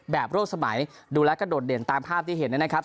ร่วมสมัยดูแล้วก็โดดเด่นตามภาพที่เห็นนะครับ